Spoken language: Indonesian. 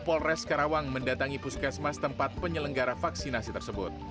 polres karawang mendatangi puskesmas tempat penyelenggara vaksinasi tersebut